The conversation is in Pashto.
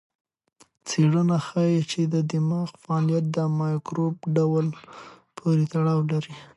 څېړنه ښيي چې د دماغ فعالیت د مایکروب ډول پورې تړاو لري.